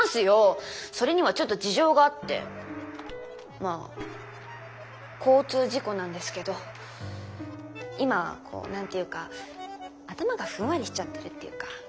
まあ交通事故なんですけど今こう何ていうか頭がふんわりしちゃってるっていうか。